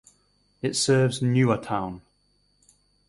It serves Nua town.